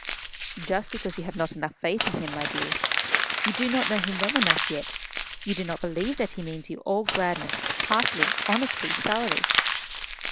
"Just because you have not enough of faith in him, my dear. You do not know him well enough yet. You do not yet believe that he means you all gladness, heartily, honestly, thoroughly."